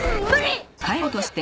無理！